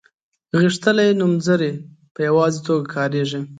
غښتلي نومځري په یوازې توګه کاریږي.